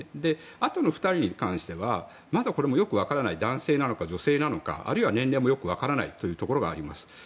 あとの２人に関してはまだこれもよくわからない男性なのか女性なのかあるいは年齢もよくわからないというところがあります。